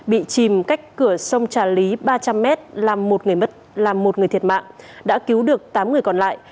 bị chìm cách cửa sông trà lý ba trăm linh m làm một người thiệt mạng đã cứu được tám người còn lại